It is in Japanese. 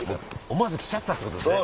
思わず来ちゃったってことですね。